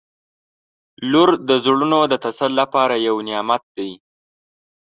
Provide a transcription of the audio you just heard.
• لور د زړونو د تسل لپاره یو نعمت دی.